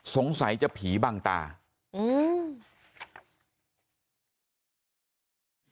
สงสัยจะผีบังตาอืม